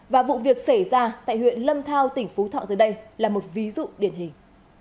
và vụ việc xảy ra tại huyện lâm thao tỉnh phú thọ dưới đây là một ví dụ điển hình